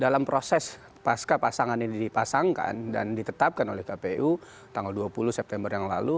dalam proses pasca pasangan ini dipasangkan dan ditetapkan oleh kpu tanggal dua puluh september yang lalu